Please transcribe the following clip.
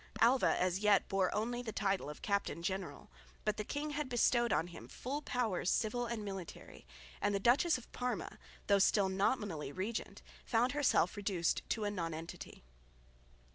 Alva as yet bore only the title of Captain General, but the king had bestowed on him full powers civil and military; and the Duchess of Parma, though still nominally regent, found herself reduced to a nonentity.